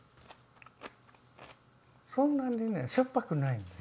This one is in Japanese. そんなにねしょっぱくないんです。